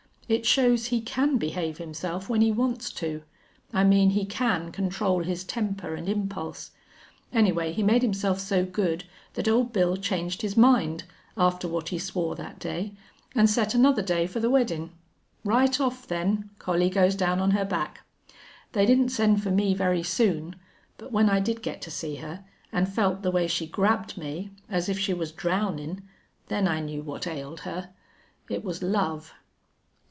It shows he can behave himself when he wants to. I mean he can control his temper an' impulse. Anyway, he made himself so good that Old Bill changed his mind, after what he swore that day, an' set another day for the weddin'. Right off, then, Collie goes down on her back.... They didn't send for me very soon. But when I did get to see her, an' felt the way she grabbed me as if she was drownin' then I knew what ailed her. It was love."